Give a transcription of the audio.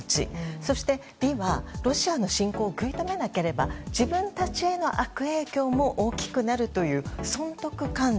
そして理はロシアの侵攻を食い止めなければ自分たちへの悪影響も大きくなるという損得勘定。